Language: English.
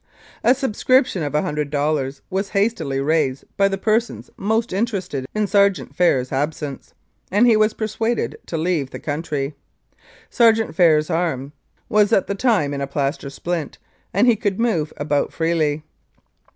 A subscription of $100 was hastily raised by the persons most interested in Sergeant Phair's absence, and he was persuaded to leave the country. Sergeant Phair's arm was at the time in a plaster splint, and he could move about freely.